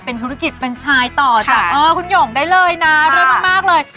ธุรกิจเป็นชายต่อจากคุณหย่งได้เลยนะเลิศมากเลย